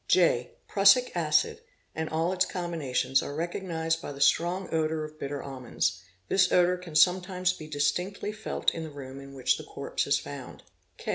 (j) Prussic acid and all its combinations are recognised by th strong odour of bitter almonds; this odour can sometimes be distinctly felt in the room in which the corpse is found.